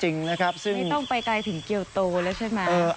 ไม่ต้องไปไกลถึงเกียวโตแล้วใช่ไหม